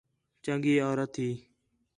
چَنڳی عورت ہیں